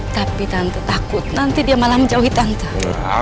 tapi tante takut nanti dia malah menjauhi tante